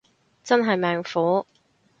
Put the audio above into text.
真係命苦